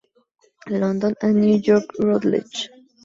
London and New York Routledge.